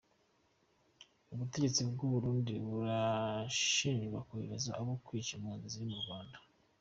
Ubutegetsi mu Burundi burashinjwa kohereza abo kwica impunzi ziri mu Rwanda.